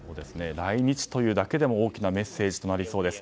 来日というだけでも大きなメッセージとなりそうです。